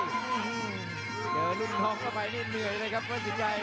เจอรุ่นทองเข้าไปนี่เหนื่อยเลยครับวัดสินชัย